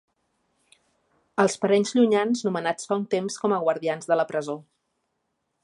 Els parents llunyans nomenats fa un temps com a guardians de la presó.